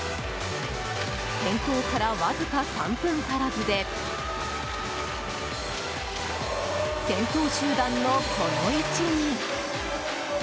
転倒からわずか３分足らずで先頭集団の、この位置に。